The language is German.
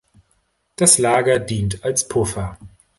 Das Lager dient als Puffer.